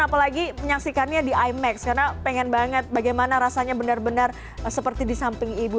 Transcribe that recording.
apalagi menyaksikannya di imax karena pengen banget bagaimana rasanya benar benar seperti di samping ibu